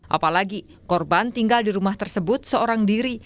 apalagi korban tinggal di rumah tersebut seorang diri